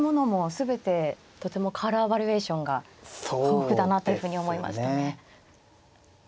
全てとてもカラーバリエーションが豊富だなというふうに思いましたね。